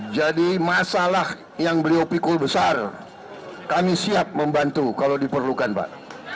masalah yang beliau pikul besar kami siap membantu kalau diperlukan pak